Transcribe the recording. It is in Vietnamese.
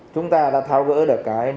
chúng ta đã tháo gỡ được cái bàn cờ